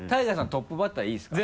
トップバッターいいですか？